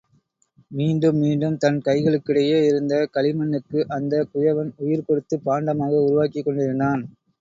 மீண்டும், மீண்டும், தன் கைகளுக்கிடையே இருந்த களிமண்ணுக்கு அந்தக் குயவன் உயிர் கொடுத்துப் பாண்டமாக உருவாக்கிக் கொண்டிருந்தான்.